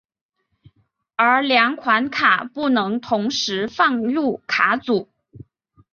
而两款卡不能同时放入卡组。